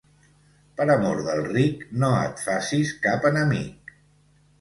Per amor del ric, no et facis cap enemic.